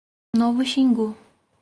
Novo Xingu